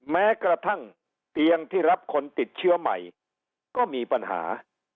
แม้กระทั่งเตียงที่รับคนติดเชื้อใหม่ก็มีปัญหา